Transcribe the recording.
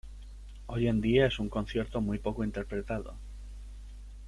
Hoy en día es un concierto muy poco interpretado.